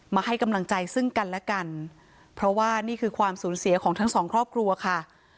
ให้กำลังใจซึ่งกันและกันเพราะว่านี่คือความสูญเสียของทั้งสองครอบครัวค่ะ